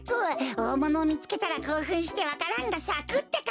おおものをみつけたらこうふんしてわか蘭がさくってか！